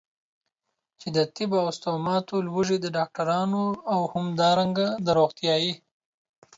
چې د طب او ستوماتولوژي د ډاکټرانو او همدارنګه د روغتيايي